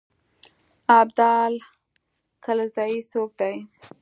ابدال کلزايي څوک دی.